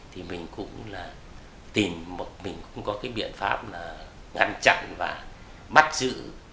thì mình cũng là tìm một mình cũng có cái biện pháp là ngăn chặn và bắt giữ